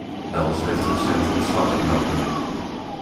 Els heeft recent ontslag genomen.